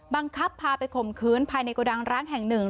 บังคับพาไปข่มขืนภายในกระดังร้านแห่งหนึ่ง